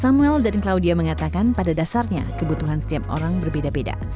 samuel dan claudia mengatakan pada dasarnya kebutuhan setiap orang berbeda beda